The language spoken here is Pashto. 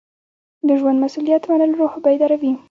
د ژوند مسؤلیت منل روح بیداروي.